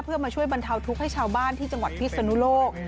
เพื่อมาช่วยบรรเทาทุกข์ให้ชาวบ้านที่จังหวัดพิศนุโลก